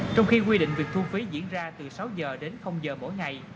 trong khi quy định việc thu phí diễn ra từ sáu giờ đến giờ mỗi ngày